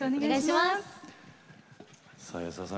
保田さん